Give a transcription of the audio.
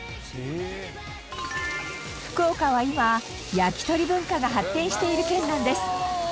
福岡は今焼き鳥文化が発展している県なんです。